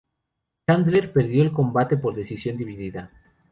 Chandler perdió el combate por decisión dividida.